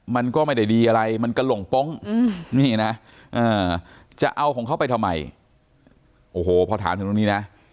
มันก็ไม่ได้ดีอะไรมันกระหลงโป๊งนี่นะจะเอาของเขาไปทำไมโอ้โหพอถามถึงตรงนี้นะ